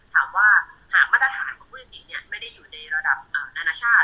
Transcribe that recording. หากมาตรฐานของผู้ตัดสินไม่ได้อยู่ในระดับนานาชาติ